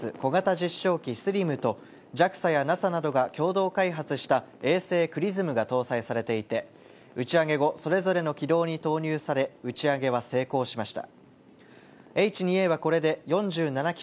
日本で初めての月面着陸を目指す小型実証機「ＳＬＩＭ」とＪＡＸＡやＮＡＳＡなどが共同開発した衛星ＸＲＩＳＭが搭載されていて打ち上げ後それぞれの軌道に投入され打ち上げは成功しました